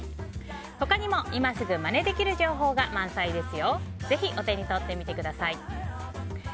他にも、今すぐまねできる情報が満載です。